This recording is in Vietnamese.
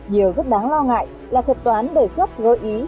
điều rất đáng lo ngại là thuật toán đề xuất gợi ý